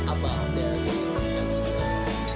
apa ada yang bisa kita lakukan